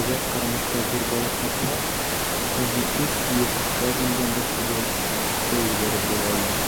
Әгәр ҡармаҡҡа ҙур балыҡ ҡапһа, уны өс йөҙ сажиндан да күберәккә ебәреп була ине.